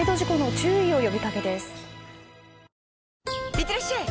いってらっしゃい！